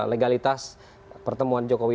legalitas pertemuan jokowi